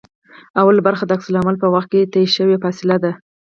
لومړۍ برخه د عکس العمل په وخت کې طی شوې فاصله ده